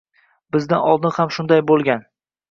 Bizdan oldin ham shunday bo’lgan